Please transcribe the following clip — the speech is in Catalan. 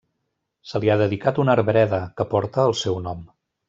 Se li ha dedicat una arbreda, que porta el seu nom.